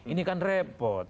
ini kan repot